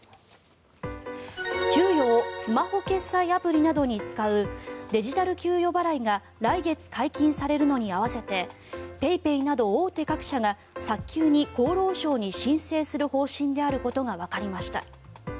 給与をスマホ決済アプリなどに使うデジタル給与払いが来月解禁されるのに合わせてＰａｙＰａｙなど大手各社が早急に厚労省に申請する方針であることがわかりました。